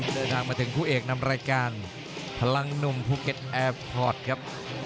เดินทางมาถึงคู่เอกนำรายการพลังหนุ่มภูเก็ตแอร์พอร์ตครับ